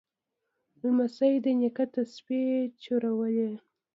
لمسی د نیکه تسبیح چورلي.